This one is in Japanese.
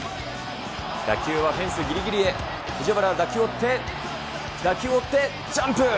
打球はフェンスぎりぎりへ、藤原は打球を追って、ジャンプ。